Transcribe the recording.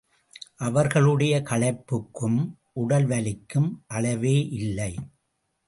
அவர்களுடைய களைப்புக்கும் உடல் வலிக்கும்.அளவேயில்லை.